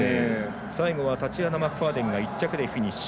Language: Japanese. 最後はタチアナ・マクファーデンが１着でフィニッシュ。